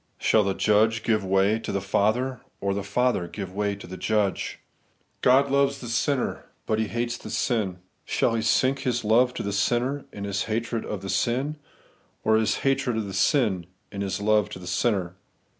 Shall the Judge give way to the Father, or the Father give way to the Judge ? God loves the sinner; but He hateathesiii. Shall He sink His love to the sinner in His hatred of the sin, or His hatred of the sin in His love to the sinner